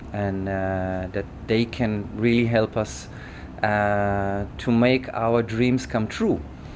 họ có thể giúp đỡ chúng ta để đạt được mơ mộng của chúng ta